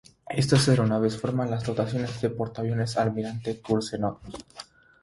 Estas aeronaves forman las dotaciones del portaaviones Almirante Kuznetsov.